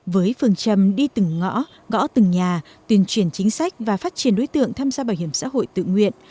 với phương châm đi từng ngõ gõ từng nhà tuyên truyền chính sách và phát triển đối tượng tham gia bảo hiểm xã hội tự nguyện